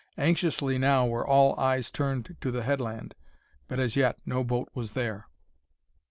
Anxiously now were all eyes turned to the headland, but as yet no boat was there.